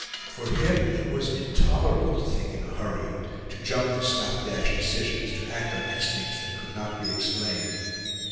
For to him it was intolerable to think in a hurry, to jump to slapdash decisions, to act on instincts that could not be explained.